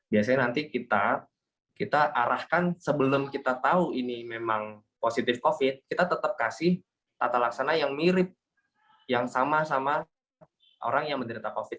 biasanya nanti kita arahkan sebelum kita tahu ini memang positif covid kita tetap kasih tata laksana yang mirip yang sama sama orang yang menderita covid